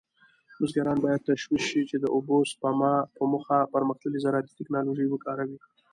بزګران باید تشویق شي چې د اوبو سپما په موخه پرمختللې زراعتي تکنالوژي وکاروي.